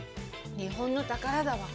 日本の宝だわ。